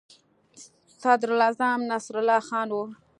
صدراعظم نصرالله خان وو.